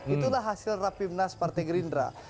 itulah hasil rapimnas partai gerindra